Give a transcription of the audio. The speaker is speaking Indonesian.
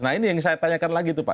nah ini yang saya tanyakan lagi itu pak